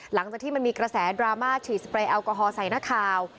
หลังจากที่มันมีกระแสดราม่าฉีดสเปรยแอลกอฮอลใส่นักข่าว